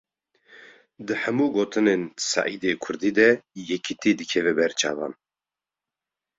Di hemû gotinên Seîdê Kurdî de, yekitî dikeve ber çavan